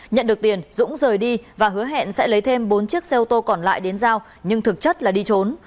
nhận được tiền dũng rời đi và hứa hẹn sẽ lấy thêm bốn chiếc xe ô tô còn lại đến giao nhưng thực chất là đi trốn